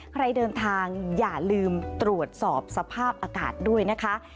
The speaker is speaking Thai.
ใครเดินทางอย่าลืมตรวจสอบสภาพอากาศด้วยนะคะ